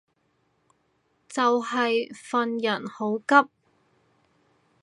就係份人好急